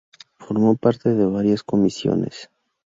Formó parte de varias comisiones.